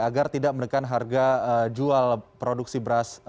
agar tidak menekan harga jual produksi beras